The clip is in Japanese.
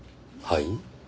はい？